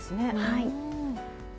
はい。